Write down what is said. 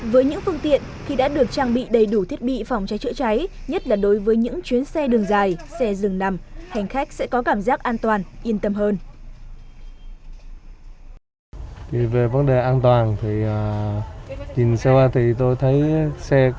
với những phương tiện khi đã được trang bị đầy đủ thiết bị phòng cháy chữa cháy nhất là đối với những chuyến xe đường dài xe dừng nằm hành khách sẽ có cảm giác an toàn yên tâm hơn